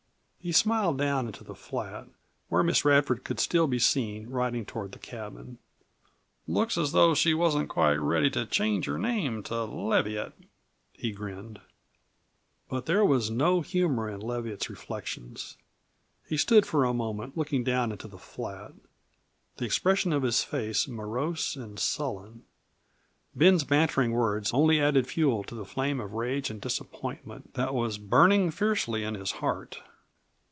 He smiled down into the flat, where Miss Radford could still be seen, riding toward the cabin. "Looks as though she wasn't quite ready to change her name to 'Leviatt'," he grinned. But there was no humor in Leviatt's reflections. He stood for a moment, looking down into the flat, the expression of his face morose and sullen. Ben's bantering words only added fuel to the flame of rage and disappointment that was burning fiercely in his heart.